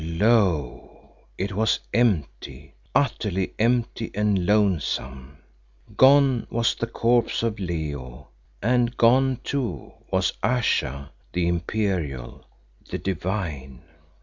Lo! it was empty, utterly empty and lonesome. Gone was the corpse of Leo, and gone too was Ayesha the imperial, the divine.